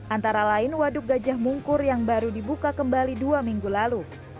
antara lain waduk gajah mungkur yang baru dibuka kembali dua minggu lalu